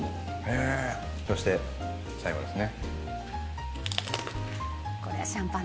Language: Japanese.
そして最後ですね。